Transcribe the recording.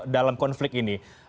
dalam konflik ini